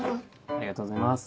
ありがとうございます。